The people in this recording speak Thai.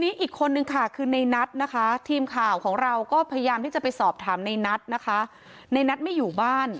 อีกคนนึงค่ะคือในนัทนะคะทีมข่าวของเราก็พยายามที่จะไปสอบถามในนัทนะคะในนัทไม่อยู่บ้าน